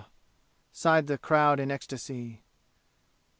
sighed the crowd in ecstasy.